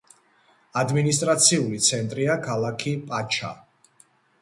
ადმინისტრაციული ცენტრია ქალაქი პაჩა.